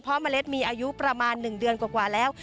เพราะเมล็ดมีอายุประมาณ๑เดือนกว่าแล้ว